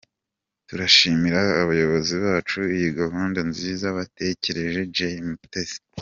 Turashimira abayobozi bacu iyi gahunda nziza batekereje’’ Joy Mutesi.